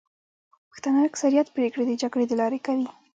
پښتانه اکثريت پريکړي د جرګي د لاري کوي.